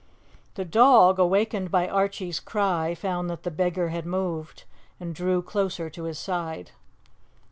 The dog, awakened by Archie's cry, found that the beggar had moved, and drew closer to his side.